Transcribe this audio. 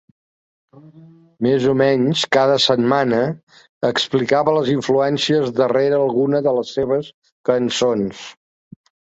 Més o menys cada setmana, explicava les influències darrere alguna de les seves cançons.